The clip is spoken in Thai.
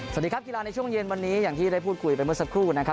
สวัสดีครับกีฬาในช่วงเย็นวันนี้อย่างที่ได้พูดคุยไปเมื่อสักครู่นะครับ